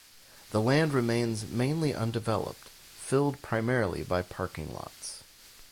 This land remains mainly undeveloped, filled primarily by parking lots.